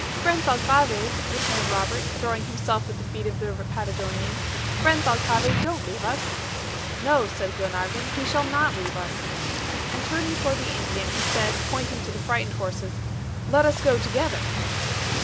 "Friend Thalcave," returned Robert, throwing himself at the feet of the Patagonian, "friend Thalcave, don't leave us!" "No," said Glenarvan, "he shall not leave us." And turning toward the Indian, he said, pointing to the frightened horses, "Let us go together."